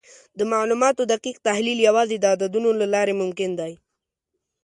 د معلوماتو دقیق تحلیل یوازې د عددونو له لارې ممکن دی.